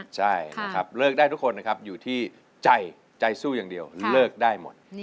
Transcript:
ใช่นะครับเลิกได้ทุกคนนะครับอยู่ที่ใจใจสู้อย่างเดียวเลิกได้หมด